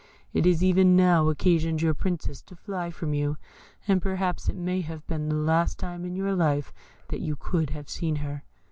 It has even now occasioned your Princess to fly from you, and perhaps it may have been the last time in your life that you could have seen her."